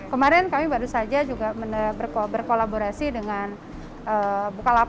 kemarin kami baru saja juga buena berkolaborasi dengan bukalapak ya